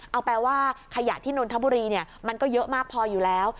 เอาแปลว่าขยะที่นนทบุรีมันก็เยอะมากพออยู่แล้ว